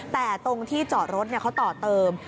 แต่ตรงที่จอดรถเขาต่อเติม